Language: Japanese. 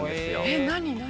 えっ何何？